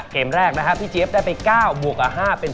เกมแรกนะครับพี่เจี๊ยบได้ไป๙บวกกับ๕เป็น